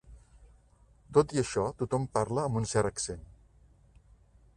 Tot i això, tothom parla amb un cert accent.